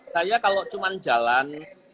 saya kalau cuma jalan